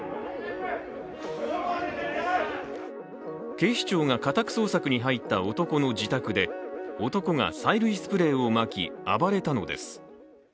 警視庁が家宅捜索に入った男の自宅で男が催涙スプレーをまき暴れたのです。